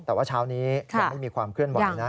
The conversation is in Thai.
แต่ว่าเช้านี้ยังไม่มีความเคลื่อนไหวนะ